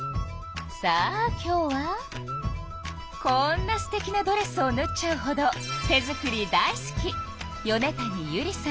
さあ今日はこんなすてきなドレスをぬっちゃうほど手作り大好き。